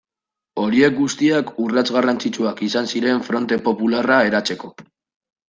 Horiek guztiak urrats garrantzitsuak izan ziren Fronte Popularra eratzeko.